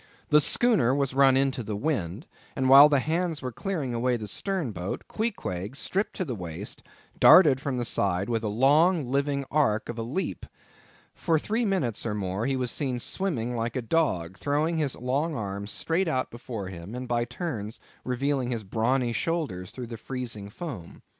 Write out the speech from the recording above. The schooner was run into the wind, and while the hands were clearing away the stern boat, Queequeg, stripped to the waist, darted from the side with a long living arc of a leap. For three minutes or more he was seen swimming like a dog, throwing his long arms straight out before him, and by turns revealing his brawny shoulders through the freezing foam.